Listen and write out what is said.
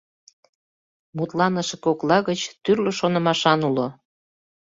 Мутланыше кокла гыч тӱрлӧ шонымашан уло.